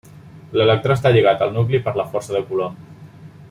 L'electró està lligat al nucli per la força de Coulomb.